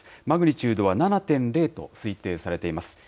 マグニチュードは７．０と推定されています。